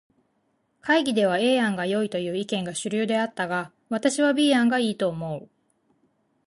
会議では A 案がよいという意見が主流であったが、私は B 案が良いと思う。